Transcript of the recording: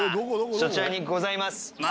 そちらにございます。